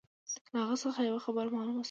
له هغه څخه یوه خبره معلومه شوه.